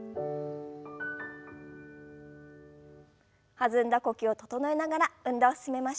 弾んだ呼吸を整えながら運動を進めましょう。